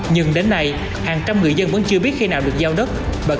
nhưng đến nay hàng trăm người dân vẫn chưa biết